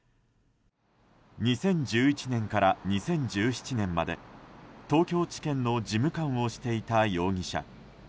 ２０１１年から２０１７年まで東京地検の事務官をしていた容疑者。